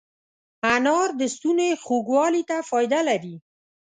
انار د ستوني خوږوالي ته فایده رسوي.